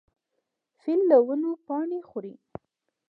فیل له ونو پاڼې خوري.